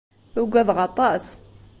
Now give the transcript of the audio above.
Uggadeɣ aṭas.